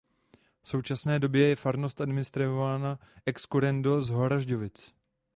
V současné době je farnost administrována ex currendo z Horažďovic.